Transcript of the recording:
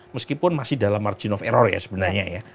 meskipun masih dalam margin of error ya